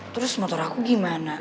terus motor aku gimana